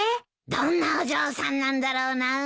どんなお嬢さんなんだろうな。